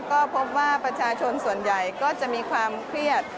ก็พบว่าประชาชนส่วนใหญ่ก็จะมีความเครียด